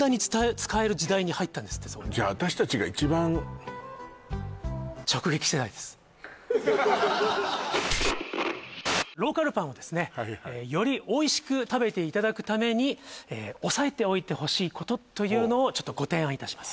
で僕ら７０年代じゃないですかそうなんだじゃローカルパンをですねよりおいしく食べていただくために押さえておいてほしいことというのをご提案いたします